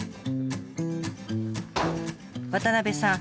渡部さん